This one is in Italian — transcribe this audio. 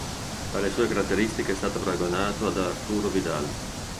Per le sue caratteristiche è stato paragonato ad Arturo Vidal.